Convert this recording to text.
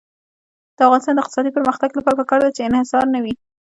د افغانستان د اقتصادي پرمختګ لپاره پکار ده چې انحصار نه وي.